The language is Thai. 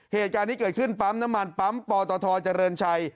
เหตุการณ์นี้เกิดขึ้นปั๊มน้ำมันปั๊มปตทเจริญชัย